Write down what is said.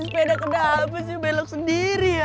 sepeda kenapa sih belok sendiri ya